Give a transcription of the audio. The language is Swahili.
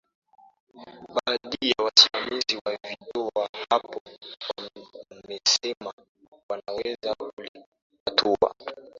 baadhi ya wasimamizi wa vituo hapa wamesema wanaweza kulitatua